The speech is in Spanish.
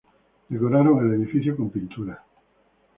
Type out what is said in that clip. Decoraron el edificio con pinturas.